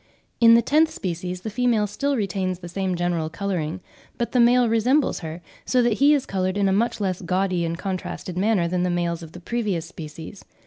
In the tenth species the female still retains the same general colouring, but the male resembles her, so that he is coloured in a much less gaudy and contrasted manner than the males of the previous species.